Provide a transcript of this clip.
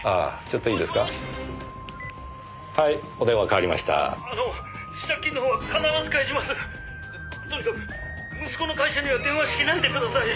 「とにかく息子の会社には電話しないでください！」